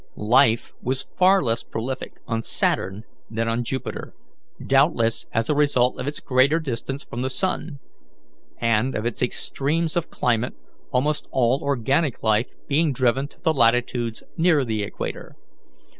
Life was far less prolific on Saturn than on Jupiter, doubtless as a result of its greater distance from the sun, and of its extremes of climate, almost all organic life being driven to the latitudes near the equator.